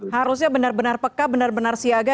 harusnya benar benar peka benar benar siaga